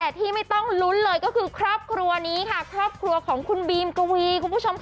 แต่ที่ไม่ต้องลุ้นเลยก็คือครอบครัวนี้ค่ะครอบครัวของคุณบีมกวีคุณผู้ชมค่ะ